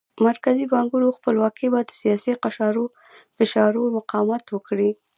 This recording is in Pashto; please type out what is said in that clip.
مرکزي بانکونو خپلواکي به د سیاسي فشارونو مقاومت وکړي.